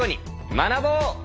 学ぼう！